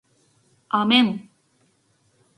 아멘.